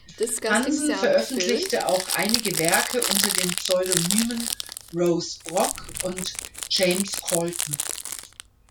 Hansen veröffentlichte auch einige Werke unter den Pseudonymen "Rose Brock" und "James Colton".